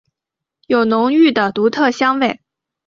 有浓郁的独特香味。